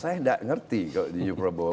saya tidak mengerti the new prabowo